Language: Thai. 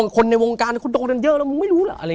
คนในวงการคนโรงแรมเยอะแล้วมึงไม่รู้ล่ะ